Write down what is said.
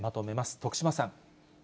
徳島さん。